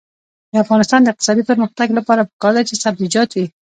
د افغانستان د اقتصادي پرمختګ لپاره پکار ده چې سبزیجات وي.